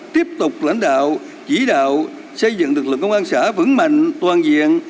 tiếp tục lãnh đạo chỉ đạo xây dựng lực lượng công an xã vững mạnh toàn diện